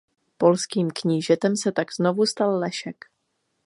Polským knížetem se tak znovu stal Lešek.